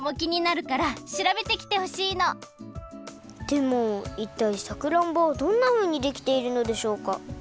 でもいったいさくらんぼはどんなふうにできているのでしょうか。